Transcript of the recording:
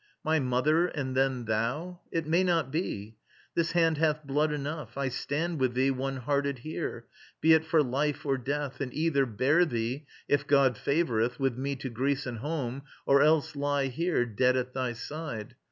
My mother and then thou? It may not be. This hand hath blood enough. I stand with thee One hearted here, be it for life or death, And either bear thee, if God favoureth, With me to Greece and home, or else lie here Dead at thy side.